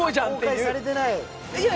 公開されてない？